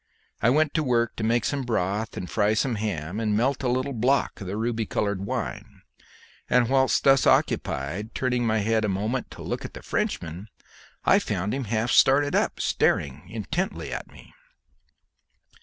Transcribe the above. I went to work to make some broth and fry some ham, and melt a little block of the ruby coloured wine; and whilst thus occupied, turning my head a moment to look at the Frenchman, I found him half started up, staring intently at me.